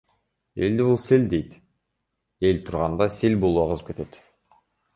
Элди — бул сел дейт, эл турганда сел болуп агызып кетет.